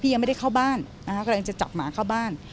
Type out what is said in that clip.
ยังไม่ได้เข้าบ้านนะคะกำลังจะจับหมาเข้าบ้าน